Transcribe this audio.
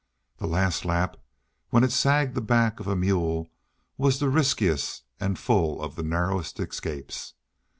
The last lap when it sagged the back of a mule was the riskiest an' full of the narrowest escapes.